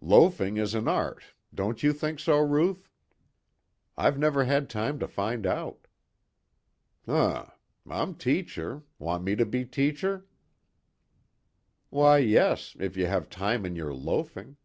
"Loafing is an art. Don't you think so, Ruth?" "I've never had time to find out." "Hm. I'm teacher. Want me to be teacher?" "Why yes, if you have time in your loafing."